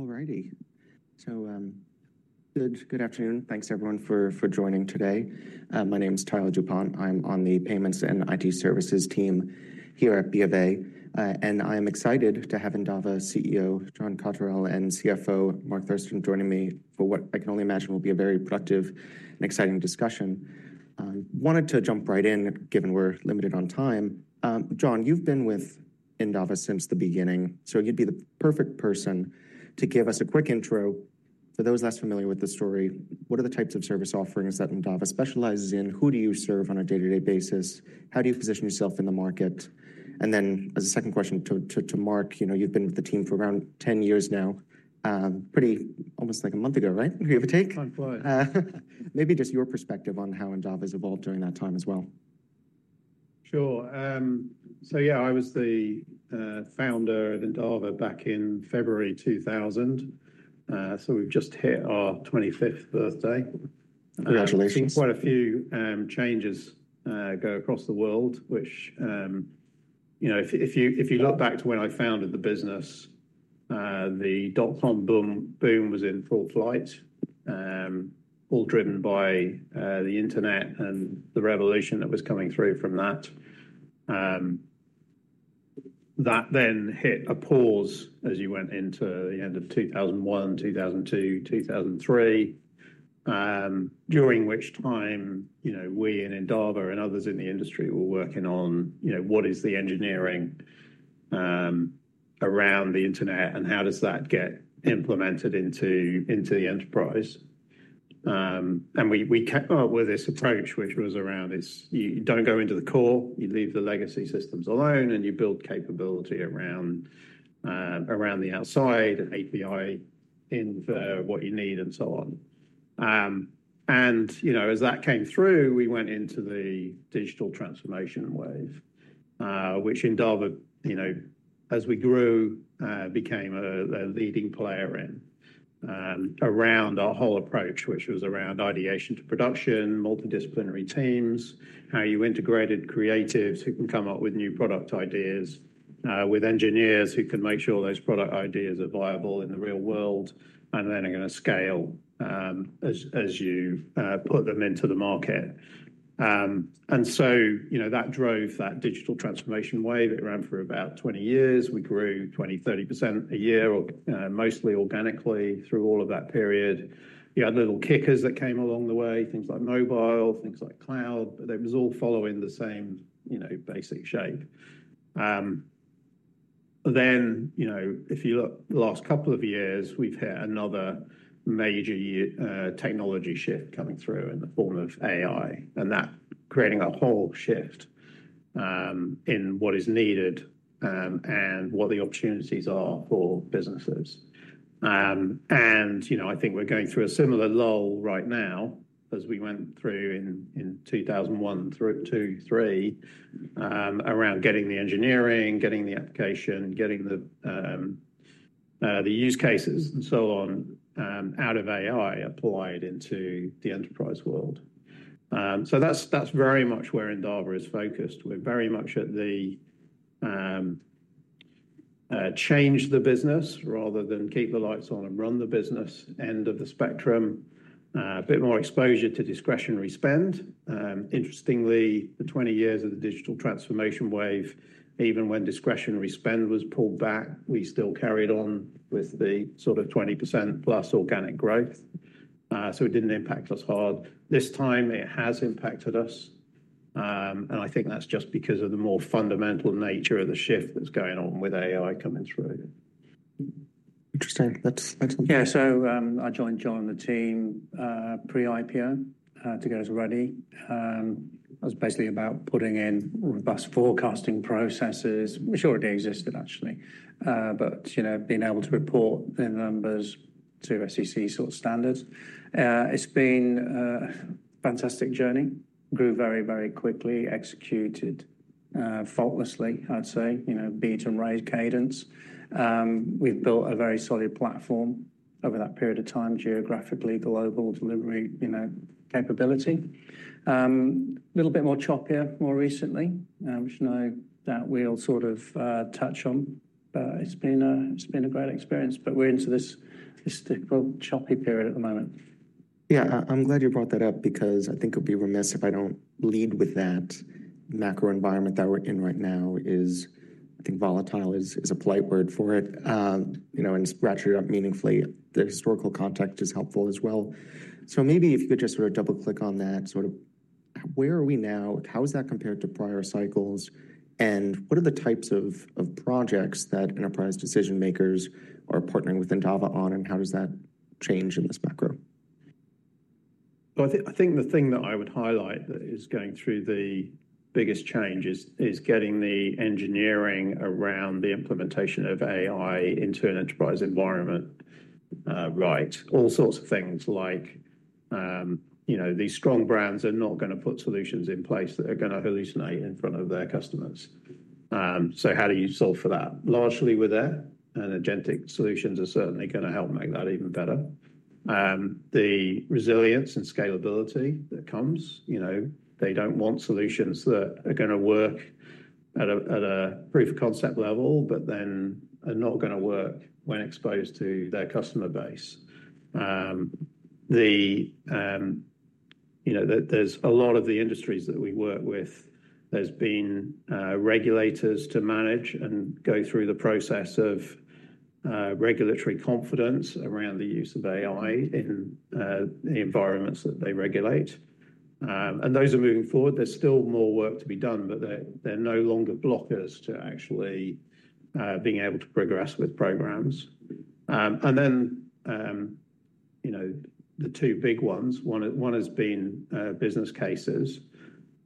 All righty. Good afternoon. Thanks, everyone, for joining today. My name is Tyler Dupont. I'm on the Payments and IT Services team here at Bank of America, and I am excited to have Endava CEO John Cotterell and CFO Mark Thurston joining me for what I can only imagine will be a very productive and exciting discussion. I wanted to jump right in, given we're limited on time. John, you've been with Endava since the beginning, so you'd be the perfect person to give us a quick intro. For those less familiar with the story, what are the types of service offerings that Endava specializes in? Who do you serve on a day-to-day basis? How do you position yourself in the market? As a second question to Mark, you know, you've been with the team for around 10 years now, pretty almost like a month ago, right? You have a take? Oh, boy. Maybe just your perspective on how Endava's evolved during that time as well. Sure. So, yeah, I was the founder of Endava back in February 2000. So we've just hit our 25th birthday. Congratulations. I've seen quite a few changes go across the world, which, you know, if you look back to when I founded the business, the dot-com boom was in full flight, all driven by the internet and the revolution that was coming through from that. That then hit a pause as you went into the end of 2001, 2002, 2003, during which time, you know, we in Endava and others in the industry were working on, you know, what is the engineering around the internet and how does that get implemented into the enterprise. We came up with this approach, which was around this, you do not go into the core, you leave the legacy systems alone, and you build capability around the outside and API in what you need and so on. and, you know, as that came through, we went into the digital transformation wave, which Endava, you know, as we grew, became a leading player in, around our whole approach, which was around ideation to production, multidisciplinary teams, how you integrated creatives who can come up with new product ideas, with engineers who can make sure those product ideas are viable in the real world, and then are gonna scale, as you put them into the market. and so, you know, that drove that digital transformation wave. It ran for about 20 years. We grew 20-30% a year or, mostly organically through all of that period. You had little kickers that came along the way, things like mobile, things like cloud, but it was all following the same, you know, basic shape. Then, you know, if you look the last couple of years, we've had another major year, technology shift coming through in the form of AI, and that creating a whole shift, in what is needed, and what the opportunities are for businesses. And, you know, I think we're going through a similar lull right now as we went through in, in 2001 through 2002, 2003, around getting the engineering, getting the application, getting the, the use cases and so on, out of AI applied into the enterprise world. So that's, that's very much where Endava is focused. We're very much at the, change the business rather than keep the lights on and run the business end of the spectrum, a bit more exposure to discretionary spend. Interestingly, the 20 years of the digital transformation wave, even when discretionary spend was pulled back, we still carried on with the sort of 20% plus organic growth. It did not impact us hard. This time it has impacted us. I think that is just because of the more fundamental nature of the shift that is going on with AI coming through. Interesting. That's, that's. Yeah. I joined John and the team, pre-IPO, to get us ready. It was basically about putting in robust forecasting processes, which already existed actually, but, you know, being able to report the numbers to SEC sort of standards. It's been a fantastic journey. Grew very, very quickly, executed, faultlessly, I'd say, you know, beat and raise cadence. We've built a very solid platform over that period of time, geographically, global delivery, you know, capability. A little bit more choppier more recently, which I know that we'll sort of touch on, but it's been, it's been a great experience, but we're into this, this difficult choppy period at the moment. Yeah. I'm glad you brought that up because I think it'd be remiss if I don't lead with that. Macro environment that we're in right now is, I think volatile is a polite word for it, you know, and scratching it up meaningfully, the historical context is helpful as well. Maybe if you could just sort of double click on that, sort of where are we now? How is that compared to prior cycles? What are the types of projects that enterprise decision makers are partnering with Endava on? How does that change in this macro? I think the thing that I would highlight that is going through the biggest change is getting the engineering around the implementation of AI into an enterprise environment, right? All sorts of things like, you know, these strong brands are not gonna put solutions in place that are gonna hallucinate in front of their customers. So how do you solve for that? Largely we're there, and agentic solutions are certainly gonna help make that even better. The resilience and scalability that comes, you know, they don't want solutions that are gonna work at a proof of concept level, but then are not gonna work when exposed to their customer base. You know, there's a lot of the industries that we work with, there's been regulators to manage and go through the process of regulatory confidence around the use of AI in the environments that they regulate. Those are moving forward. There's still more work to be done, but they're no longer blockers to actually being able to progress with programs. You know, the two big ones, one has been business cases.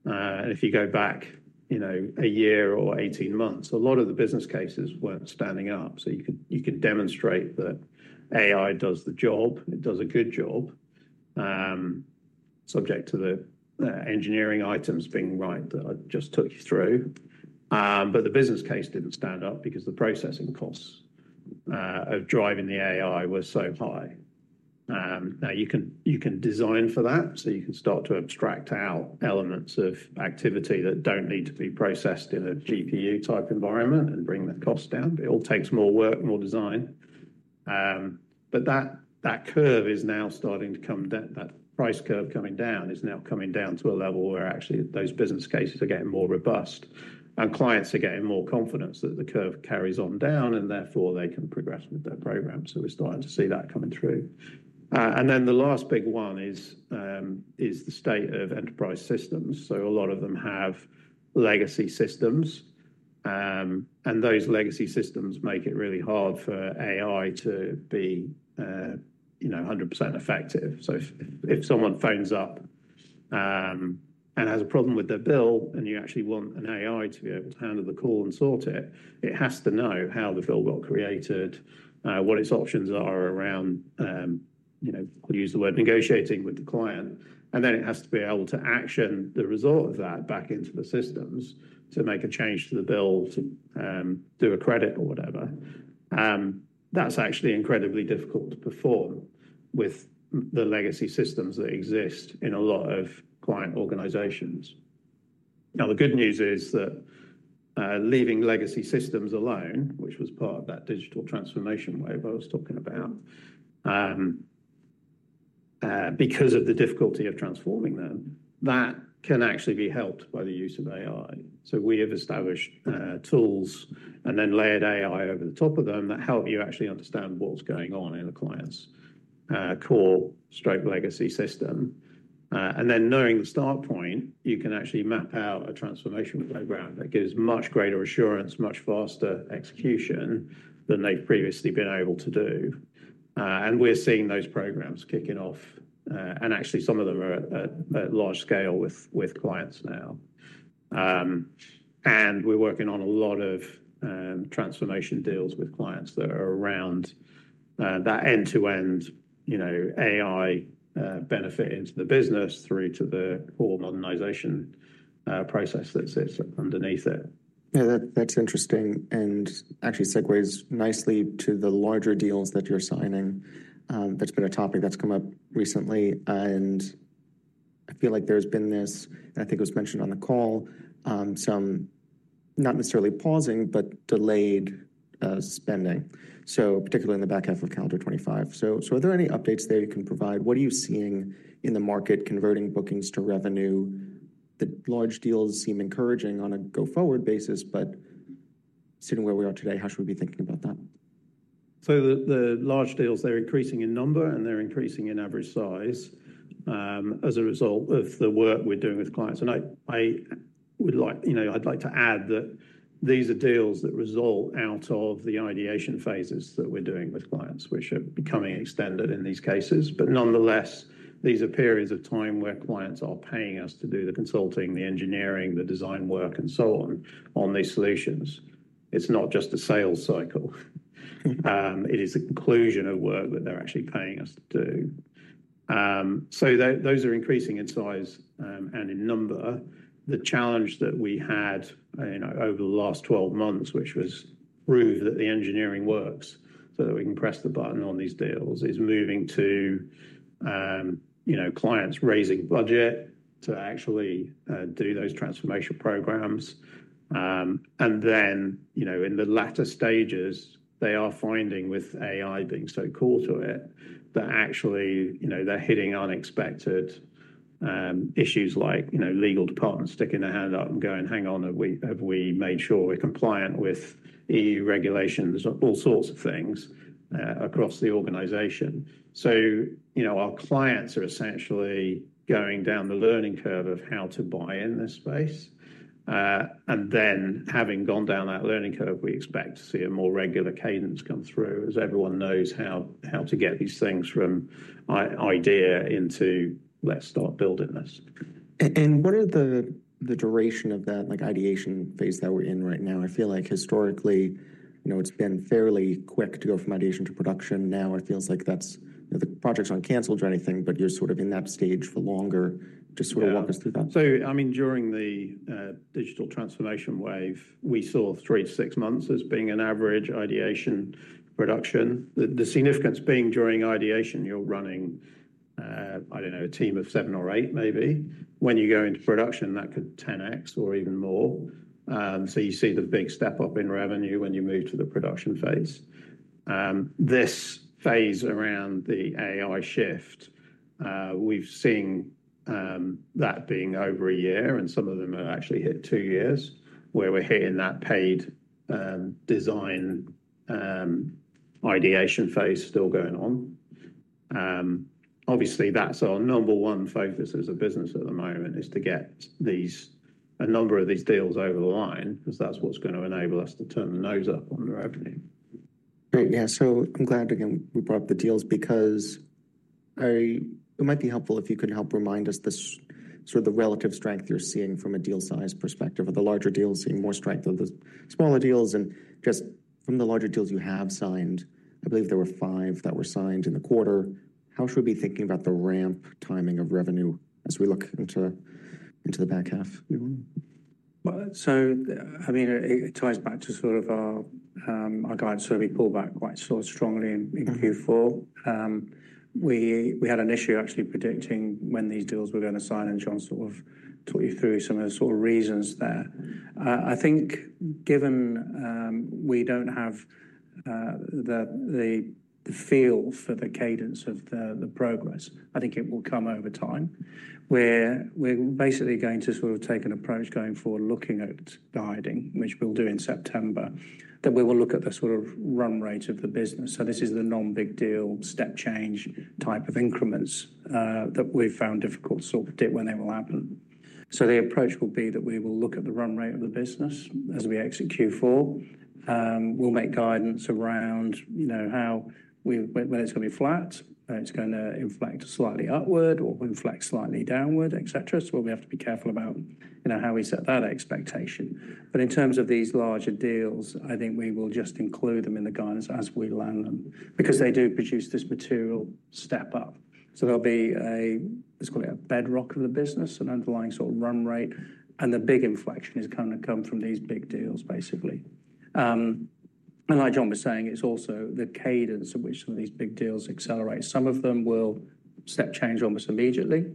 If you go back, you know, a year or 18 months, a lot of the business cases weren't standing up. You could demonstrate that AI does the job. It does a good job, subject to the engineering items being right that I just took you through. The business case didn't stand up because the processing costs of driving the AI were so high. Now you can design for that, so you can start to abstract out elements of activity that do not need to be processed in a GPU type environment and bring the cost down. It all takes more work, more design. That curve is now starting to come, that price curve coming down is now coming down to a level where actually those business cases are getting more robust and clients are getting more confidence that the curve carries on down and therefore they can progress with their program. We are starting to see that coming through. The last big one is the state of enterprise systems. A lot of them have legacy systems, and those legacy systems make it really hard for AI to be, you know, 100% effective. If someone phones up and has a problem with their bill and you actually want an AI to be able to handle the call and sort it, it has to know how the bill got created, what its options are around, you know, I'll use the word negotiating with the client. Then it has to be able to action the result of that back into the systems to make a change to the bill, to do a credit or whatever. That's actually incredibly difficult to perform with the legacy systems that exist in a lot of client organizations. The good news is that leaving legacy systems alone, which was part of that digital transformation wave I was talking about because of the difficulty of transforming them, that can actually be helped by the use of AI. We have established tools and then layered AI over the top of them that help you actually understand what's going on in the client's core straight legacy system. Then, knowing the start point, you can actually map out a transformation program that gives much greater assurance, much faster execution than they've previously been able to do. We are seeing those programs kicking off, and actually some of them are at large scale with clients now. We are working on a lot of transformation deals with clients that are around that end-to-end, you know, AI benefit into the business through to the core modernization process that sits underneath it. Yeah, that's interesting and actually segues nicely to the larger deals that you're signing. That's been a topic that's come up recently, and I feel like there's been this, and I think it was mentioned on the call, some not necessarily pausing, but delayed spending. Particularly in the back half of calendar 2025. Are there any updates there you can provide? What are you seeing in the market converting bookings to revenue? The large deals seem encouraging on a go forward basis, but sitting where we are today, how should we be thinking about that? The large deals, they're increasing in number and they're increasing in average size, as a result of the work we are doing with clients. I would like, you know, I'd like to add that these are deals that result out of the ideation phases that we are doing with clients, which are becoming extended in these cases. Nonetheless, these are periods of time where clients are paying us to do the consulting, the engineering, the design work, and so on on these solutions. It's not just a sales cycle. It is the conclusion of work that they're actually paying us to do. Those are increasing in size, and in number. The challenge that we had, you know, over the last 12 months, which was prove that the engineering works so that we can press the button on these deals, is moving to, you know, clients raising budget to actually do those transformation programs. In the latter stages, they are finding with AI being so core to it that actually, you know, they're hitting unexpected issues like, you know, legal departments sticking their hand up and going, hang on, have we, have we made sure we're compliant with EU regulations or all sorts of things, across the organization? You know, our clients are essentially going down the learning curve of how to buy in this space. and then having gone down that learning curve, we expect to see a more regular cadence come through as everyone knows how to get these things from idea into, let's start building this. What are the, the duration of that, like ideation phase that we're in right now? I feel like historically, you know, it's been fairly quick to go from ideation to production. Now it feels like that's, you know, the project's not canceled or anything, but you're sort of in that stage for longer. Just sort of walk us through that. I mean, during the digital transformation wave, we saw three to six months as being an average ideation production. The significance being during ideation, you are running, I don't know, a team of seven or eight maybe. When you go into production, that could 10X or even more. You see the big step up in revenue when you move to the production phase. This phase around the AI shift, we've seen that being over a year and some of them have actually hit two years where we're hitting that paid, design, ideation phase still going on. Obviously that's our number one focus as a business at the moment is to get these, a number of these deals over the line 'cause that's what's gonna enable us to turn the nose up on the revenue. Great. Yeah. I'm glad again we brought up the deals because I, it might be helpful if you could help remind us this sort of the relative strength you're seeing from a deal size perspective of the larger deals, seeing more strength of the smaller deals. Just from the larger deals you have signed, I believe there were five that were signed in the quarter. How should we be thinking about the ramp timing of revenue as we look into the back half? I mean, it ties back to sort of our guide survey pullback quite so strongly in Q4. We had an issue actually predicting when these deals were gonna sign. John sort of took you through some of the sort of reasons there. I think given we don't have the feel for the cadence of the progress, I think it will come over time. We're basically going to sort of take an approach going forward, looking at guiding, which we'll do in September, that we will look at the sort of run rate of the business. This is the non-big deal step change type of increments that we've found difficult to sort of date when they will happen. The approach will be that we will look at the run rate of the business as we exit Q4. We'll make guidance around, you know, how we, when it's gonna be flat, it's gonna inflect slightly upward or inflect slightly downward, et cetera. We'll have to be careful about, you know, how we set that expectation. In terms of these larger deals, I think we will just include them in the guidance as we land them because they do produce this material step up. There'll be a, let's call it a bedrock of the business, an underlying sort of run rate. The big inflection is kind of come from these big deals basically. Like John was saying, it's also the cadence at which some of these big deals accelerate. Some of them will step change almost immediately.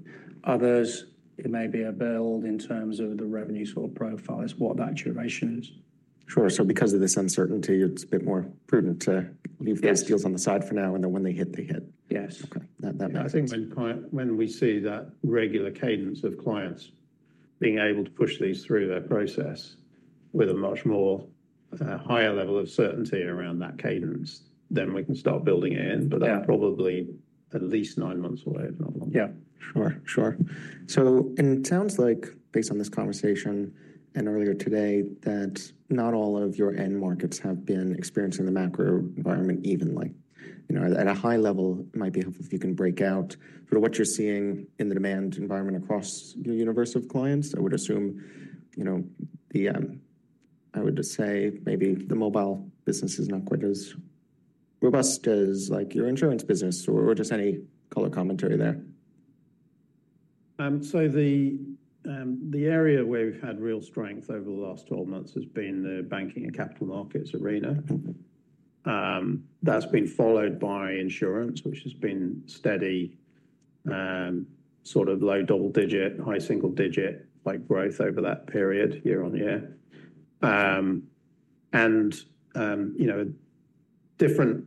Others, it may be a build in terms of the revenue sort of profile as what that duration is. Sure. Because of this uncertainty, it's a bit more prudent to leave those deals on the side for now. And then when they hit, they hit. Yes. Okay. That makes sense. I think when we see that regular cadence of clients being able to push these through their process with a much more, higher level of certainty around that cadence, then we can start building it in. That is probably at least nine months away, if not longer. Yeah. Sure. Sure. It sounds like based on this conversation and earlier today that not all of your end markets have been experiencing the macro environment evenly, you know, at a high level. It might be helpful if you can break out sort of what you're seeing in the demand environment across your universe of clients. I would assume, you know, the, I would just say maybe the mobile business is not quite as robust as like your insurance business or, or just any color commentary there. The area where we've had real strength over the last 12 months has been the banking and capital markets arena. That's been followed by insurance, which has been steady, sort of low double-digit, high single-digit like growth over that period year on year. And, you know, different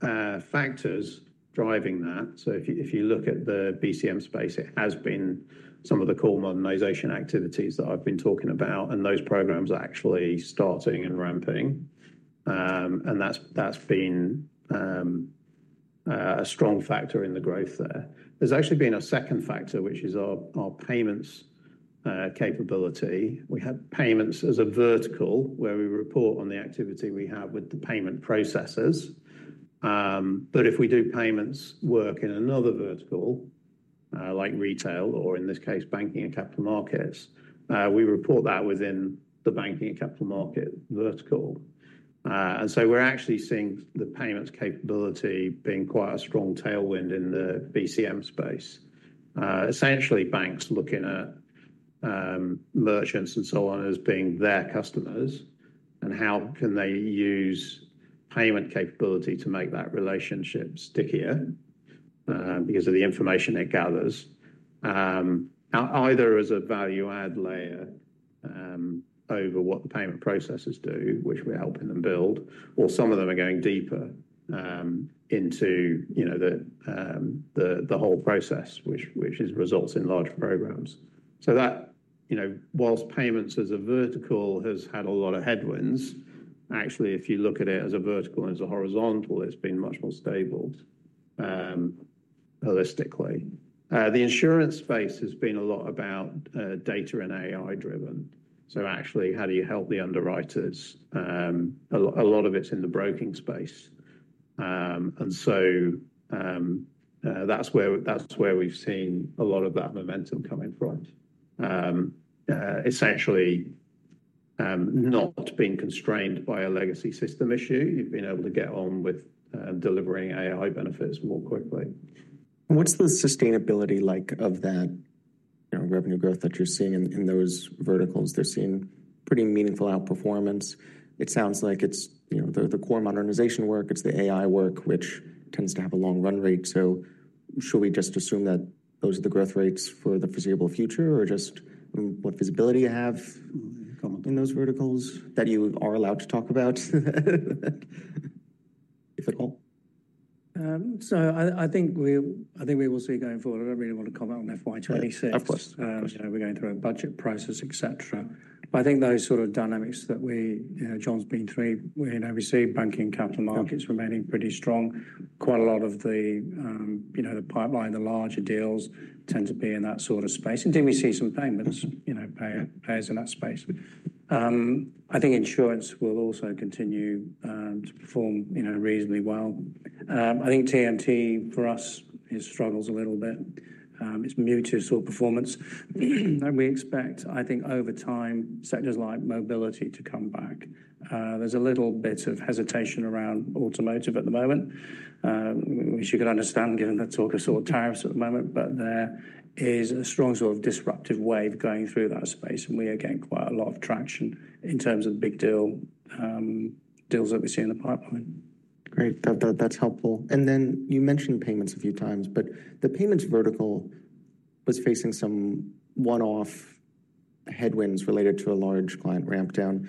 factors driving that. If you look at the BCM space, it has been some of the core modernization activities that I've been talking about, and those programs are actually starting and ramping. That's been a strong factor in the growth there. There's actually been a second factor, which is our payments capability. We have payments as a vertical where we report on the activity we have with the payment processes. If we do payments work in another vertical, like retail or in this case, banking and capital markets, we report that within the banking and capital market vertical. We are actually seeing the payments capability being quite a strong tailwind in the banking and capital markets space. Essentially, banks looking at merchants and so on as being their customers and how can they use payment capability to make that relationship stickier, because of the information it gathers, either as a value add layer over what the payment processes do, which we are helping them build, or some of them are going deeper into, you know, the whole process, which results in large programs. That, you know, whilst payments as a vertical has had a lot of headwinds, actually, if you look at it as a vertical and as a horizontal, it has been much more stable, holistically. The insurance space has been a lot about, data and AI driven. Actually, how do you help the underwriters? A lot of it's in the broking space, and that's where we've seen a lot of that momentum coming from. Essentially, not being constrained by a legacy system issue, you've been able to get on with delivering AI benefits more quickly. What's the sustainability like of that, you know, revenue growth that you're seeing in those verticals? They're seeing pretty meaningful outperformance. It sounds like it's, you know, the core modernization work, it's the AI work, which tends to have a long run rate. Should we just assume that those are the growth rates for the foreseeable future or just what visibility you have in those verticals that you are allowed to talk about, if at all? I think we will see going forward. I don't really wanna comment on FY 2026. Of course. You know, we're going through a budget process, et cetera. I think those sort of dynamics that we, you know, John's been through, you know, we see banking and capital markets remaining pretty strong. Quite a lot of the, you know, the pipeline, the larger deals tend to be in that sort of space. Do we see some payments, you know, payers, payers in that space? I think insurance will also continue to perform, you know, reasonably well. I think TMT for us is struggles a little bit. It's muted sort of performance that we expect. I think over time, sectors like mobility to come back. There's a little bit of hesitation around automotive at the moment, which you could understand given the talk of sort of tariffs at the moment, but there is a strong sort of disruptive wave going through that space. We are getting quite a lot of traction in terms of big deals that we see in the pipeline. Great. That's helpful. You mentioned payments a few times, but the payments vertical was facing some one-off headwinds related to a large client ramp down.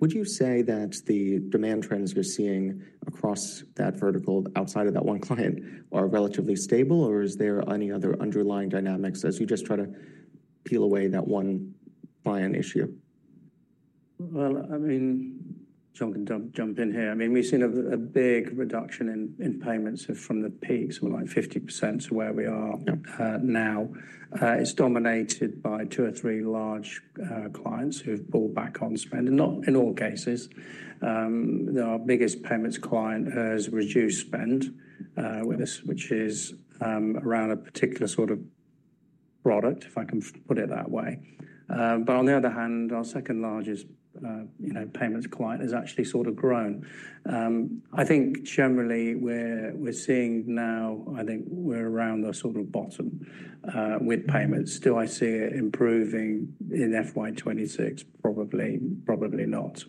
Would you say that the demand trends you're seeing across that vertical outside of that one client are relatively stable, or is there any other underlying dynamics as you just try to peel away that one buying issue? I mean, John can jump in here. I mean, we've seen a big reduction in payments from the peaks, we're like 50% to where we are now. It's dominated by two or three large clients who've pulled back on spend and not in all cases. Our biggest payments client has reduced spend with this, which is around a particular sort of product, if I can put it that way. On the other hand, our second largest, you know, payments client has actually sort of grown. I think generally we're seeing now, I think we're around the sort of bottom with payments. Do I see it improving in FY 2026? Probably, probably not,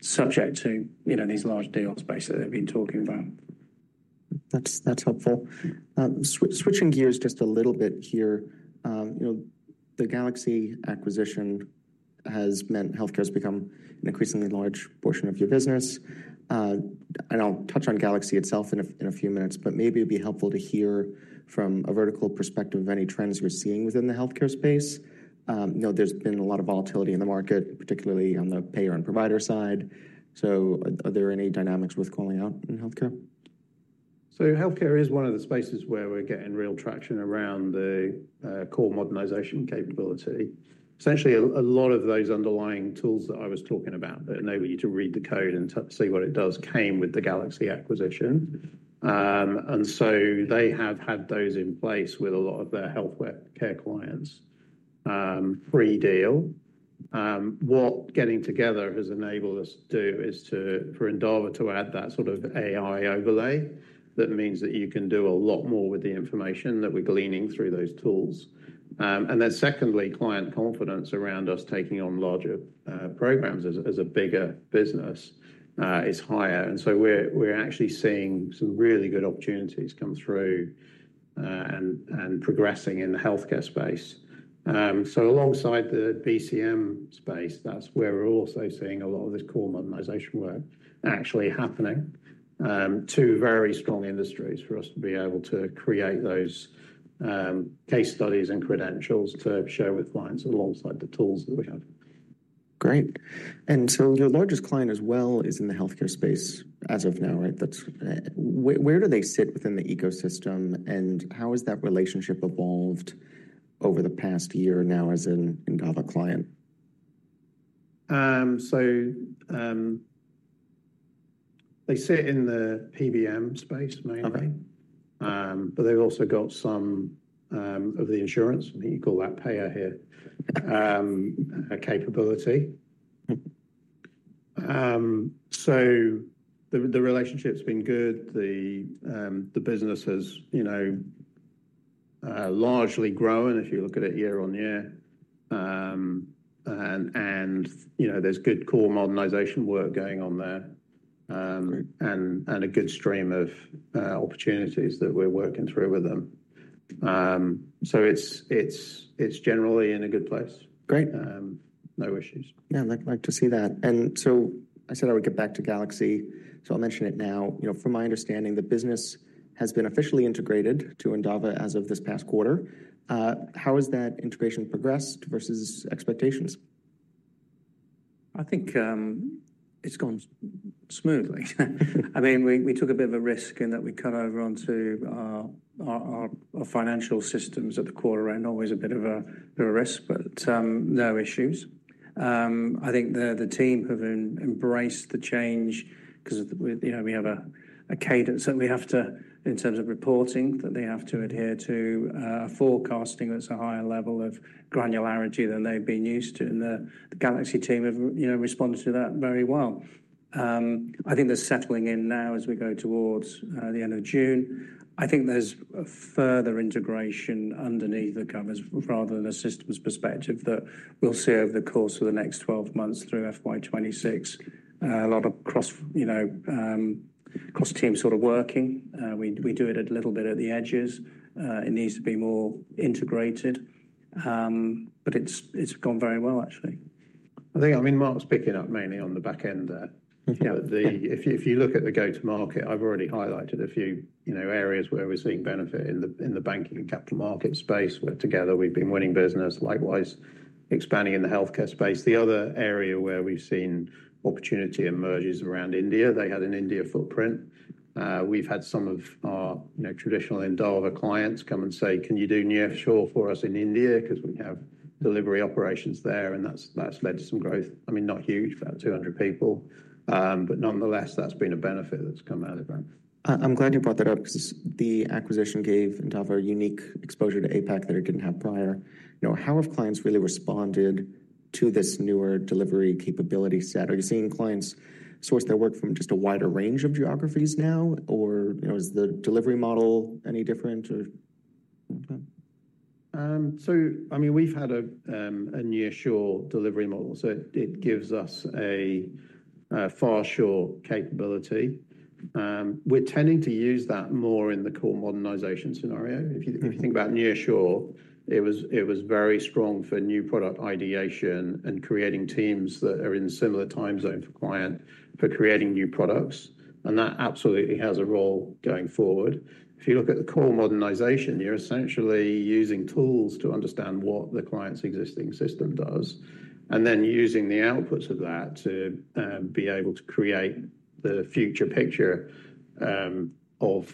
subject to, you know, these large deals basically that we've been talking about. That's helpful. Switching gears just a little bit here. You know, the Galaxy acquisition has meant healthcare has become an increasingly large portion of your business. I'll touch on Galaxy itself in a few minutes, but maybe it'd be helpful to hear from a vertical perspective of any trends you're seeing within the healthcare space. You know, there's been a lot of volatility in the market, particularly on the payer and provider side. Are there any dynamics worth calling out in healthcare? Healthcare is one of the spaces where we're getting real traction around the core modernization capability. Essentially, a lot of those underlying tools that I was talking about that enable you to read the code and see what it does came with the Galaxy acquisition, and so they have had those in place with a lot of their healthcare clients pre-deal. What getting together has enabled us to do is for Endava to add that sort of AI overlay. That means that you can do a lot more with the information that we're gleaning through those tools. Then secondly, client confidence around us taking on larger programs as a bigger business is higher. We're actually seeing some really good opportunities come through and progressing in the healthcare space. Alongside the BCM space, that's where we're also seeing a lot of this core modernization work actually happening. Two very strong industries for us to be able to create those case studies and credentials to share with clients alongside the tools that we have. Great. Your largest client as well is in the healthcare space as of now, right? That is where, where do they sit within the ecosystem and how has that relationship evolved over the past year now as an Endava client? So, they sit in the PBM space mainly. Okay. They've also got some of the insurance, I think you call that payer here, capability. The relationship's been good. The business has, you know, largely grown if you look at it year on year, and, you know, there's good core modernization work going on there, and a good stream of opportunities that we're working through with them. It's generally in a good place. Great. no issues. Yeah. I'd like to see that. And I said I would get back to Galaxy. So I'll mention it now. You know, from my understanding, the business has been officially integrated to Endava as of this past quarter. How has that integration progressed versus expectations? I think it's gone smoothly. I mean, we took a bit of a risk in that we cut over onto our financial systems at the core, always a bit of a risk, but no issues. I think the team have embraced the change 'cause we, you know, we have a cadence that we have to, in terms of reporting, that they have to adhere to, forecasting that's a higher level of granularity than they've been used to. And the Galaxy team have, you know, responded to that very well. I think they're settling in now as we go towards the end of June. I think there's a further integration underneath the covers rather than a systems perspective that we'll see over the course of the next 12 months through FY 2026. A lot of cross, you know, cross-team sort of working. We, we do it a little bit at the edges. It needs to be more integrated. But it's, it's gone very well actually. I think, I mean, Mark's picking up mainly on the backend there. Yeah. If you look at the go-to-market, I've already highlighted a few, you know, areas where we're seeing benefit in the banking and capital market space where together we've been winning business, likewise expanding in the healthcare space. The other area where we've seen opportunity emerge is around India. They had an India footprint. We've had some of our, you know, traditional Endava clients come and say, can you do near shore for us in India? 'Cause we have delivery operations there. That's led to some growth. I mean, not huge, about 200 people, but nonetheless, that's been a benefit that's come out of that. I'm glad you brought that up 'cause the acquisition gave Endava a unique exposure to APAC that it didn't have prior. You know, how have clients really responded to this newer delivery capability set? Are you seeing clients source their work from just a wider range of geographies now, or, you know, is the delivery model any different or? I mean, we've had a near shore delivery model. It gives us a far shore capability. We're tending to use that more in the core modernization scenario. If you think about near shore, it was very strong for new product ideation and creating teams that are in similar timezone for client for creating new products. That absolutely has a role going forward. If you look at the core modernization, you're essentially using tools to understand what the client's existing system does and then using the outputs of that to be able to create the future picture of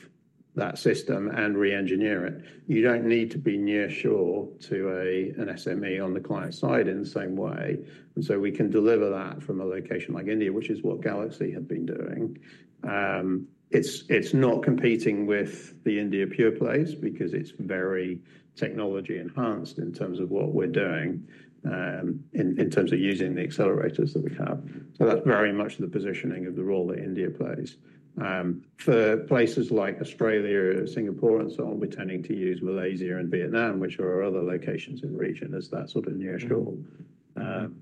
that system and re-engineer it. You don't need to be near shore to an SME on the client side in the same way, and so we can deliver that from a location like India, which is what Galaxy had been doing. It's not competing with the India pure plays because it's very technology enhanced in terms of what we're doing, in terms of using the accelerators that we have. So that's very much the positioning of the role that India plays. For places like Australia, Singapore, and so on, we're tending to use Malaysia and Vietnam, which are other locations in the region as that sort of nearshore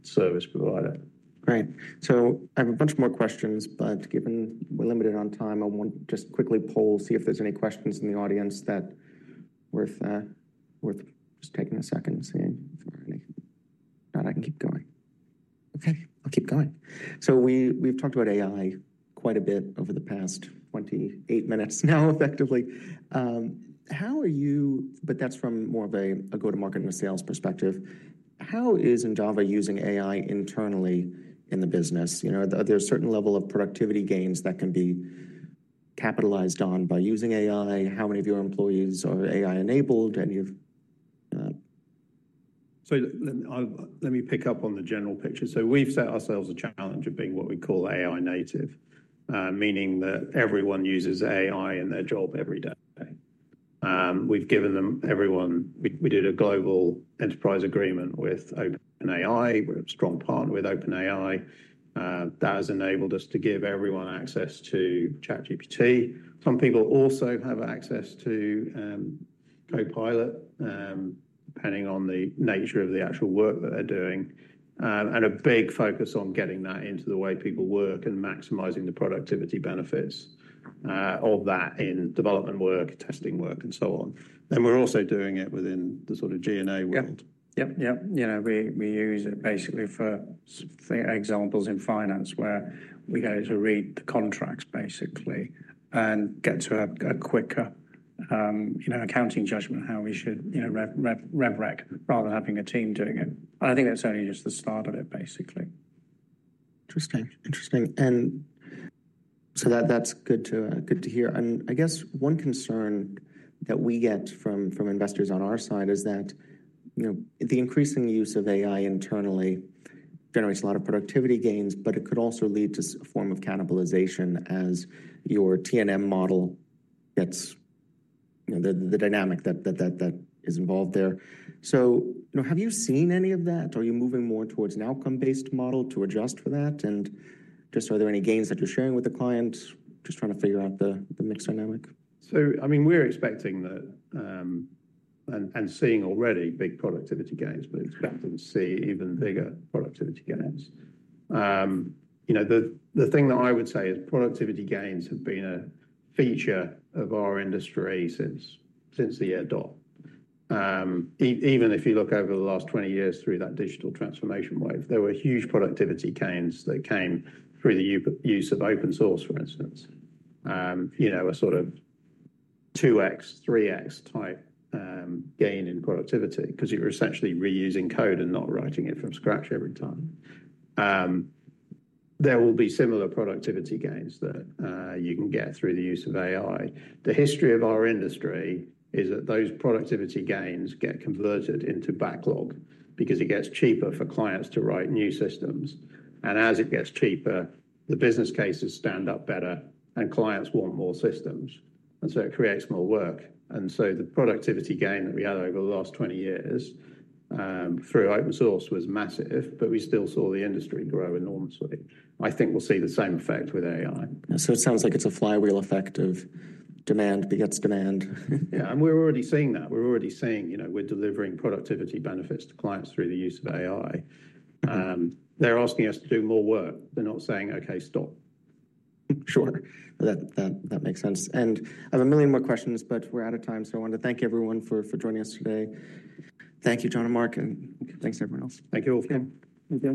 service provider. Great. I have a bunch more questions, but given we're limited on time, I want to just quickly poll, see if there's any questions in the audience that are worth just taking a second and seeing if there are any. I can keep going. Okay. I'll keep going. We, we've talked about AI quite a bit over the past 28 minutes now effectively. How are you, but that's from more of a go-to-market and a sales perspective, how is Endava using AI internally in the business? You know, are there a certain level of productivity gains that can be capitalized on by using AI? How many of your employees are AI enabled and you've, Let me pick up on the general picture. We have set ourselves a challenge of being what we call AI native, meaning that everyone uses AI in their job every day. We have given everyone, we did a global enterprise agreement with OpenAI. We are a strong partner with OpenAI. That has enabled us to give everyone access to ChatGPT. Some people also have access to Copilot, depending on the nature of the actual work that they are doing. A big focus is on getting that into the way people work and maximizing the productivity benefits of that in development work, testing work, and so on. We are also doing it within the sort of GNA world. Yep. Yep. Yep. You know, we use it basically for examples in finance where we go to read the contracts basically and get to a quicker, you know, accounting judgment, how we should, you know, re-rebrack rather than having a team doing it. I think that's only just the start of it basically. Interesting. Interesting. That, that's good to hear. I guess one concern that we get from investors on our side is that, you know, the increasing use of AI internally generates a lot of productivity gains, but it could also lead to a form of cannibalization as your TNM model gets, you know, the dynamic that is involved there. You know, have you seen any of that? Are you moving more towards an outcome-based model to adjust for that? Are there any gains that you're sharing with the client? Just trying to figure out the mix dynamic. I mean, we are expecting the, and seeing already big productivity gains, but expecting to see even bigger productivity gains. You know, the thing that I would say is productivity gains have been a feature of our industry since the year dot. Even if you look over the last 20 years through that digital transformation wave, there were huge productivity gains that came through the use of open source, for instance. You know, a sort of 2X, 3X type gain in productivity 'cause you're essentially reusing code and not writing it from scratch every time. There will be similar productivity gains that you can get through the use of AI. The history of our industry is that those productivity gains get converted into backlog because it gets cheaper for clients to write new systems. As it gets cheaper, the business cases stand up better and clients want more systems. It creates more work. The productivity gain that we had over the last 20 years through open source was massive, but we still saw the industry grow enormously. I think we'll see the same effect with AI. It sounds like it's a flywheel effect of demand begets demand. Yeah. And we're already seeing that. We're already seeing, you know, we're delivering productivity benefits to clients through the use of AI. They're asking us to do more work. They're not saying, okay, stop. Sure. That makes sense. I have a million more questions, but we're out of time. I want to thank everyone for joining us today. Thank you, John and Mark, and thanks everyone else. Thank you all for coming. Thank you.